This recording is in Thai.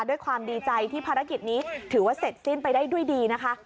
ด้วยความดีใจที่ภารกิจนี้ถือว่าเสร็จสิ้นไปได้ด้วยดีนะคะ